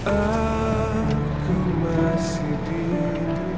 aku masih di